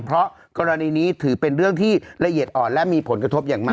เพราะกรณีนี้ถือเป็นเรื่องที่ละเอียดอ่อนและมีผลกระทบอย่างมาก